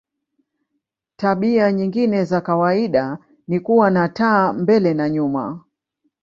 Tabia nyingine za kawaida ni kuwa na taa mbele na nyuma.